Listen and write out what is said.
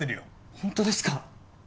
本当ですか！？